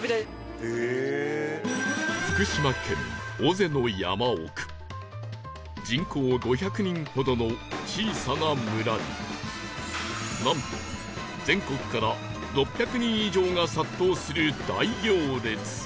福島県尾瀬の山奥人口５００人ほどの小さな村になんと全国から６００人以上が殺到する大行列